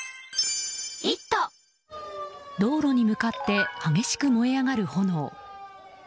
道路に向かって激しく燃え上がる炎。